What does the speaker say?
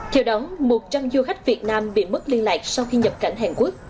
theo đó một trăm linh du khách việt nam bị mất liên lạc sau khi nhập cảnh hàn quốc